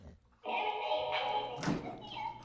na ambao walijua wengine ni wazao wa Waturuki